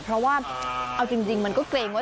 เพราะว่าเอาจริงมันก็เกรงว่า